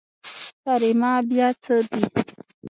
کريمه بيا څه دي.